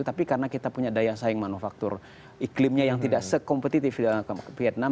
tapi karena kita punya daya saing manufaktur iklimnya yang tidak sekompetitif dengan vietnam